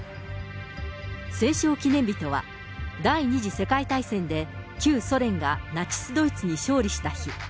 戦勝記念日とは、第２次世界大戦で旧ソ連がナチス・ドイツに勝利した日。